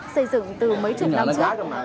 xây dựng từ mấy chục năm trước